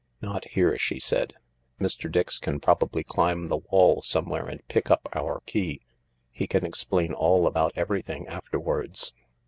" Not here," she said, " Mr. Dix can probably climb the wall somewhere and pick up our key. He can explain all about everything afterwards."